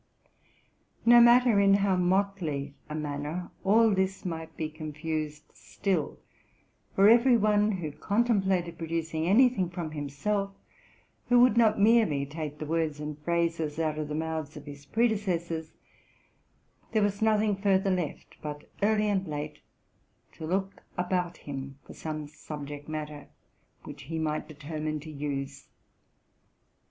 No matter in how motley a manner all this might be con fused, still, for every one who contemplated producing any thing from himself, — who would not merely take the words and phrases out of the mouths of his predecessors, — there was nothing further left but, early and late, to look about him for some subject matter which he might determine to use.